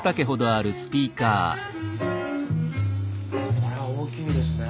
これは大きいですね。